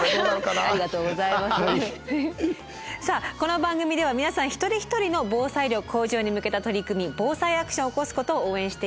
さあこの番組では皆さん一人一人の防災力向上に向けた取り組み「ＢＯＳＡＩアクション」を起こすことを応援しています。